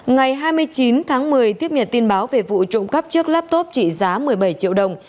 ngày hai mươi chín tháng một mươi tiếp nhận tin báo về vụ trộm cắp chiếc laptop trị giá một mươi bảy triệu đồng